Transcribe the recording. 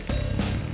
eh mbak be